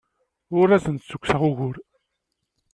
Ur asen-ttekkseɣ ugur.